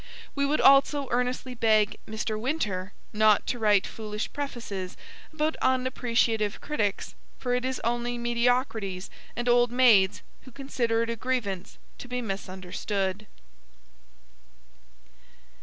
We would also earnestly beg 'Mr. Winter' not to write foolish prefaces about unappreciative critics; for it is only mediocrities and old maids who consider it a grievance to be misunderstood.